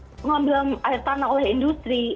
pengambilan air tanah oleh industri